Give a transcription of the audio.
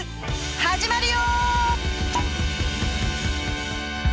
始まるよ！